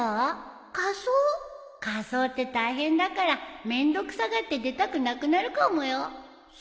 仮装って大変だから面倒くさがって出たくなくなるかもよ